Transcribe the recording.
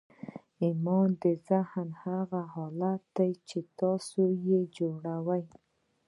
ایمان د ذهن هغه حالت دی چې تاسې یې جوړوئ